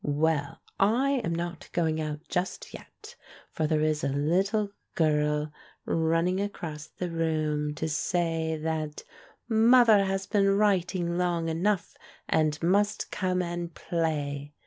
Well, I am not going out just yet, for there is a little girl running across THE PRINCE IN THE FAIRY TALE 223 the room to say that "Mother has been writing long enough, and must come and play."